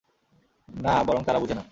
না, বরং তারা বুঝে না।